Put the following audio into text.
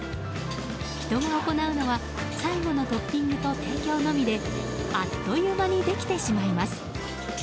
人が行うのは最後のトッピングと提供のみであっという間にできてしまいます。